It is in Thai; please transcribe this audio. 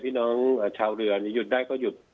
พี่น้องชาวเรือหรือหยุดได้ก็หยุด